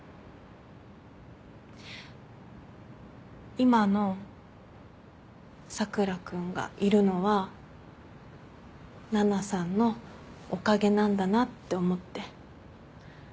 今の佐倉君がいるのは奈々さんのおかげなんだなって思って。